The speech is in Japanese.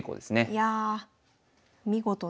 いやあ見事な。